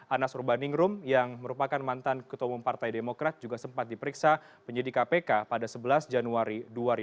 anas urbaningrum yang merupakan mantan ketua umum partai demokrat juga sempat diperiksa penyidik kpk pada sebelas januari dua ribu dua puluh